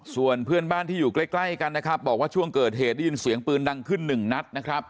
ส่วนเพื่อนบ้านที่อยู่ใกล้กันนะครับบอกว่าช่วงเกิดเหตุได้ยินเสียงปืนดังขึ้นหนึ่งนัดนะครับ